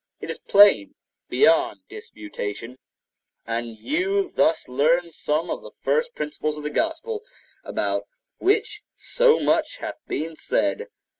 It is plain beyond disputation, and you thus learn some of the first principles of the Gospel, about which so much hath been said.